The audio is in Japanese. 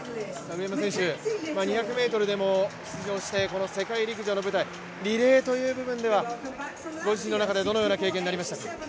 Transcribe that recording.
上山選手、２００ｍでも出場して世界陸上の舞台、リレーという部分ではご自身の中でどのような経験になりましたか。